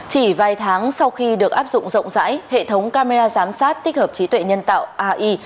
chỉ vài tháng sau khi được áp dụng rộng rãi hệ thống camera giám sát tích hợp trí tuệ nhân tạo ai